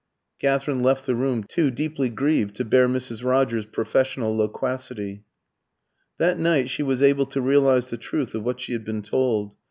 Katherine left the room, too deeply grieved to bear Mrs. Rogers's professional loquacity. That night she was able to realise the truth of what she had been told.